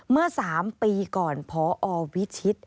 เมื่อ๓ปีก่อนพอวิชิต